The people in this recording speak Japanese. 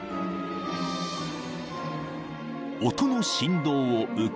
［音の振動を受け］